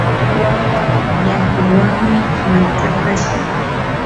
wawa llantunwanmi mantsakashqa.